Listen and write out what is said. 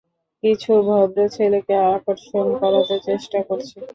কিছু ভদ্র ছেলেকে আকর্ষণ করাতে চেষ্টা করছি।